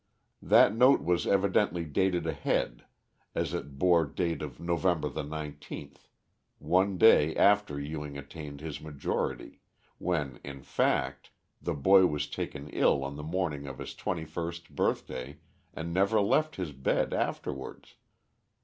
That note was evidently dated ahead, as it bore date of November 19th, one day after Ewing attained his majority, when, in fact, the boy was taken ill on the morning of his twenty first birthday, and never left his bed afterwards.